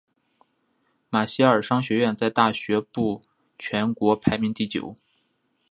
马歇尔商学院在大学部全国排名第九。